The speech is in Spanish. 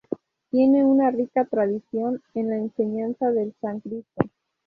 Tiene una rica tradición en la enseñanza del Sánscrito.